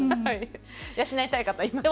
養いたい方います？